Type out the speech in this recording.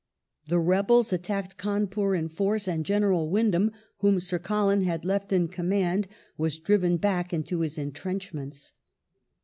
The rebels attacked Cawnpur in force, and General Windham, whom Sir Colin had left in command, was driven back into his entrenchments.